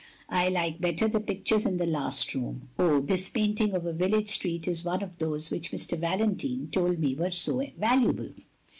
I like better the pictures in the last room. Oh, this painting of a village street is one of those which Mr. Valentine told me were so valuable.